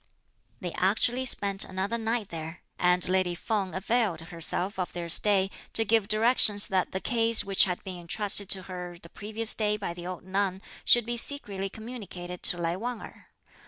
They actually spent another night there, and lady Feng availed herself of their stay to give directions that the case which had been entrusted to her the previous day by the old nun should be secretly communicated to Lai Wang Erh.